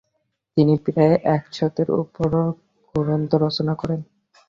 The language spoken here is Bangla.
তিনি প্রায় একশতের ওপর গ্রন্থ রচনা করেন।